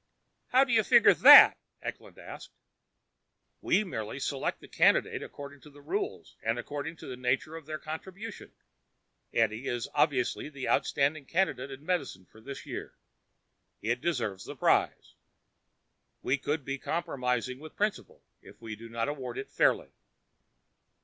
"How do you figure that?" Eklund asked. "We merely select the candidates according to the rules, and according to the nature of their contribution. Edie is obviously the outstanding candidate in medicine for this year. It deserves the prize. We would be compromising with principle if we did not award it fairly."